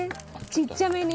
ちっちゃめに？